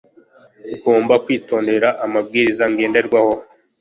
Ngomba kwitondera amabwiriza ngenderwaho.